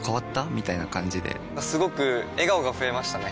みたいな感じですごく笑顔が増えましたね！